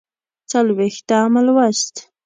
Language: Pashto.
څلوېښتم لوست